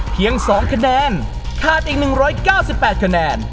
เพียง๒คะแนนคาดอีก๑๙๘คะแนน